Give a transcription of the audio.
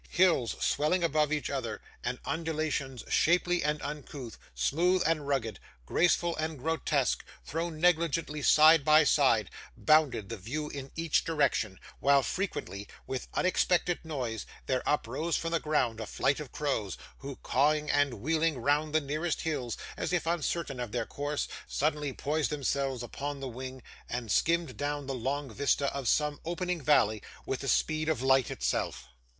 Hills swelling above each other; and undulations shapely and uncouth, smooth and rugged, graceful and grotesque, thrown negligently side by side, bounded the view in each direction; while frequently, with unexpected noise, there uprose from the ground a flight of crows, who, cawing and wheeling round the nearest hills, as if uncertain of their course, suddenly poised themselves upon the wing and skimmed down the long vista of some opening valley, with the speed of light itself.